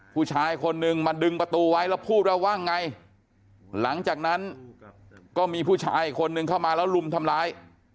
ผู้ชายคนนึงมาดึงประตูไว้แล้วพูดว่าไงหลังจากนั้นก็มีผู้ชายอีกคนนึงเข้ามาแล้วลุมทำร้าย